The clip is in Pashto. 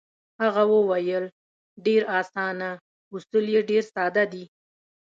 هغه وویل: ډېر اسانه، اصول یې ډېر ساده دي.